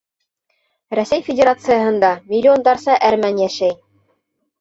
Рәсәй Федерацияһында миллиондарса әрмән йәшәй.